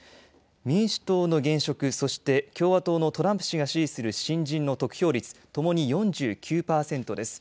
民主党の現職、そして共和党のトランプ氏が支持する新人の得票率ともに４９％です。